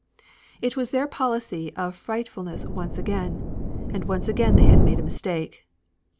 It was their policy of frightfulness once again. And once again they had made a mistake.